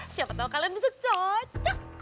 siapa tau kalian bisa cocok